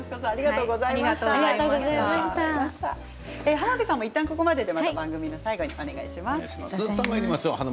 浜辺さんもいったんここまででまた番組の最後にお願いします。